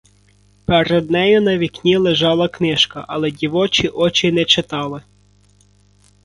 Перед нею на вікні лежала книжка, але дівочі очі не читали.